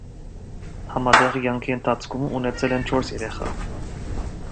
Համատեղ կյանքի ընթացքում ունեցել են չորս երեխա։